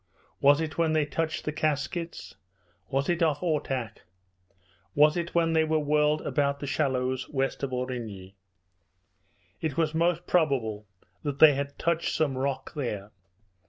Was it when they touched the Caskets? Was it off Ortach? Was it when they were whirled about the shallows west of Aurigny? It was most probable that they had touched some rock there.